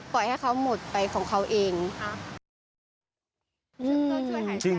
ปล่อยให้เขาหมดไปของเขาเอง